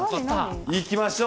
いきましょう。